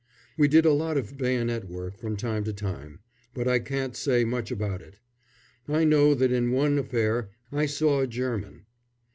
We did a lot of bayonet work from time to time; but I can't say much about it. I know that in one affair I saw a German.